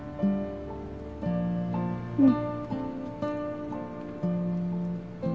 うん。